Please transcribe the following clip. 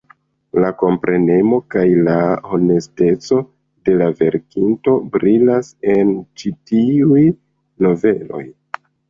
La komprenemo kaj la honesteco de la verkinto brilas en ĉi tiuj noveloj.